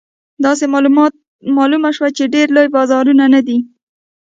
داسې معلومه شوه چې ډېر لوی بازار نه دی.